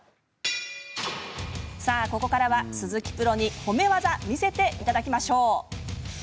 さあ、ここからは鈴木プロに褒め技、見せてもらいましょう。